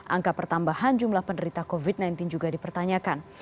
angka pertambahan jumlah penderita covid sembilan belas juga dipertanyakan